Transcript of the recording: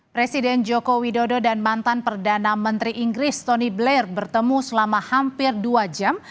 presiden joko widodo dan mantan perdana menteri inggris tony blair bertemu selama hampir dua jam